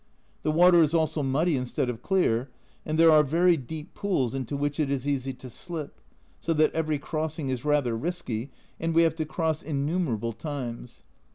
The water is also muddy instead of clear, and there are very deep pools into which it is easy to slip, so that every crossing is rather risky, and we have to cross innumerable times.